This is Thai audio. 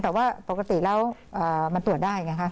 แต่ว่าปกติแล้วมันตรวจได้ไงคะ